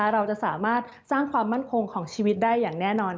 เราจะสามารถสร้างความมั่นคงของชีวิตได้อย่างแน่นอน